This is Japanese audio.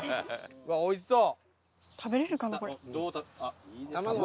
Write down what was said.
うわおいしそう。